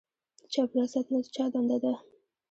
د چاپیریال ساتنه د چا دنده ده؟